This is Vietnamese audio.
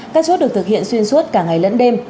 các chốt được thực hiện xuyên suốt cả ngày lẫn đêm